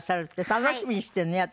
楽しみにしてね私。